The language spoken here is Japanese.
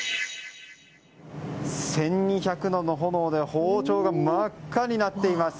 １２００度の炎で包丁が真っ赤になっています。